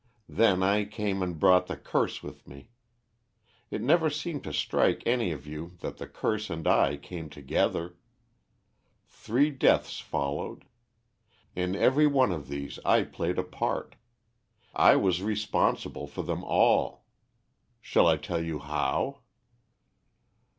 Then I came and brought the curse with me. It never seemed to strike any of you that the curse and I came together. Three deaths followed. In every one of these I played a part; I was responsible for them all. Shall I tell you how?"